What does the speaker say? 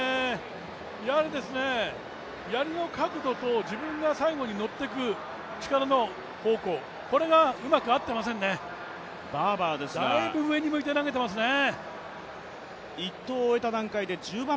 やはりやりの角度と自分が最後に乗ってく力の方向、これがうまく合っていませんね、だいぶ上に向いて投げていますね。